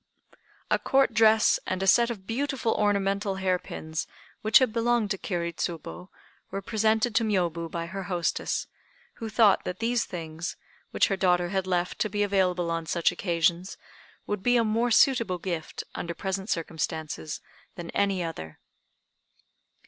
A Court dress and a set of beautiful ornamental hairpins, which had belonged to Kiri Tsubo, were presented to the Miôbu by her hostess, who thought that these things, which her daughter had left to be available on such occasions, would be a more suitable gift, under present circumstances, than any other.